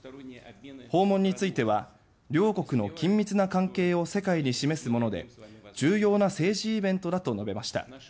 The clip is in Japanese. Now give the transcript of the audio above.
訪問については両国の緊密な関係を世界に示すもので重要な政治イベントだと述べました。